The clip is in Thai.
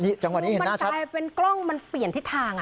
นี่จังหวะนี้เห็นหน้าชัดมันตายเป็นกล้องมันเปลี่ยนทิศทาง